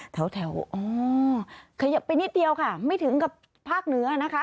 แถวอ๋อขยับไปนิดเดียวค่ะไม่ถึงกับภาคเหนือนะคะ